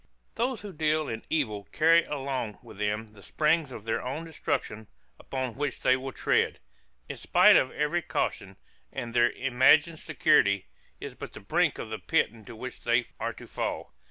Those who deal in evil carry along with them the springs of their own destruction, upon which they will tread, in spite of every caution, and their imagined security is but the brink of the pit into which they are to fall.